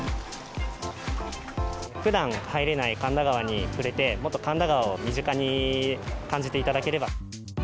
ふだんは入れない神田川に触れて、もっと神田川を身近に感じていただければ。